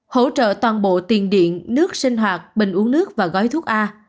hỗ trợ toàn bộ tiền điện nước sinh hoạt bình uống nước và gói thuốc a